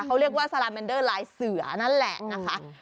เขาเรียกว่าสลาเมนเดอร์ลายเสือนั่นแหละนะคะ